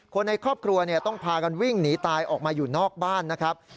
คนในครอบครัวต้องพากันวิ่งหนีตายออกมาอยู่นอกบ้านนะครับ